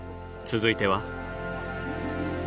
続いては？